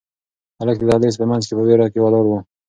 هلک د دهلېز په منځ کې په وېره کې ولاړ و.